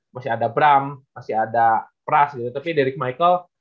masih ada bram masih ada pras gitu tapi deric michael